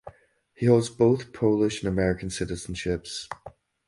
He holds both Polish and American citizenships.